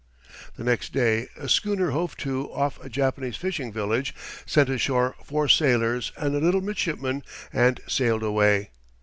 The next day a schooner hove to off a Japanese fishing village, sent ashore four sailors and a little midshipman, and sailed away.